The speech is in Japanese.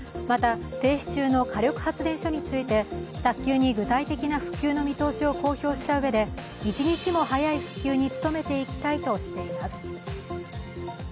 また、停止中の火力発電所について早急に具体的な復旧の見通しを公表したうえで、一日も早い復旧に努めていきたいとしています。